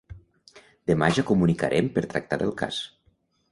Demà ja comunicarem per tractar del cas.